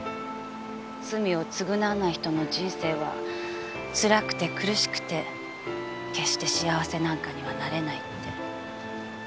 罪を償わない人の人生はつらくて苦しくて決して幸せなんかにはなれないって。